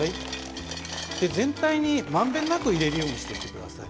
全体にまんべんなく入れるようにしてください。